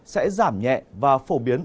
sẽ giảm nhẹ và phổ biến